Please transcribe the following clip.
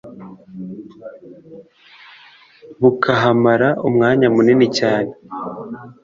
bukahamara umwanya munini cyane